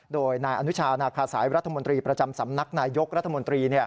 โดยนายอนุชานาคาสายรัฐมนตรีประจำสำนักนายยกรัฐมนตรี